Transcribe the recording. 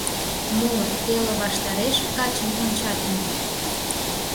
— Мо, теле ваштареш качым ончат мо?